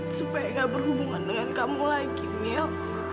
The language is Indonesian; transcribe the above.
supaya gak berhubungan dengan kamu lagi mil